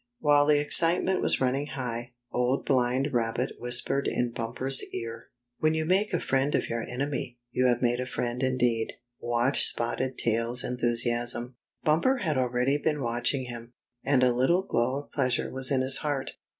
While the excitement was running high, Old Blind Rab bit whispered in Bumper's ear; 99 100 Spotted Tail Proves His Loyalty When you make a friend of your enemy, you have made a friend indeed. Watch Spotted Tail's enthusiasm." Bumper had already been watching him, and a little glow of pleasure was in his heart.